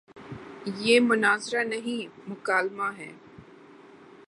یہ مناظرہ نہیں، مکالمہ ہے۔